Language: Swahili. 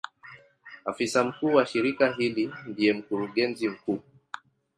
Afisa mkuu wa shirika hili ndiye Mkurugenzi mkuu.